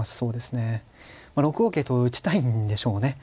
６五桂と打ちたいんでしょうね。